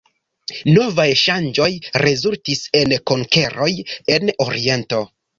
Novaj ŝanĝoj rezultis en konkeroj en oriento.